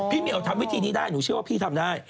พี่เมียทำวิธีนี้ก็ได้